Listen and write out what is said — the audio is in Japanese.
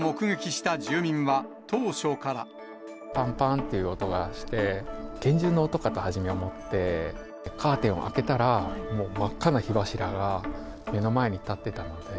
ぱんぱんっていう音がして、拳銃の音かと初め思って、カーテンを開けたら、もう真っ赤な火柱が目の前に立ってたので。